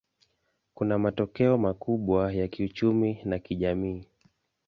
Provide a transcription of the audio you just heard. Kuna matokeo makubwa ya kiuchumi na kijamii.